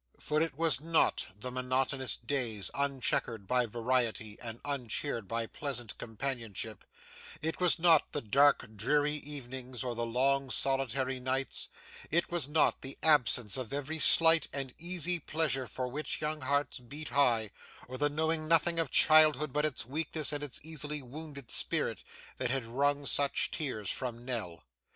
For, it was not the monotonous days unchequered by variety and uncheered by pleasant companionship, it was not the dark dreary evenings or the long solitary nights, it was not the absence of every slight and easy pleasure for which young hearts beat high, or the knowing nothing of childhood but its weakness and its easily wounded spirit, that had wrung such tears from Nell.